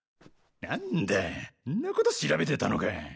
何だンなこと調べてたのか。